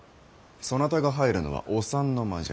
そなたが入るのはお三の間じゃ。